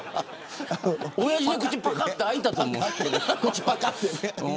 おやじの口ぱかって開いたと思う。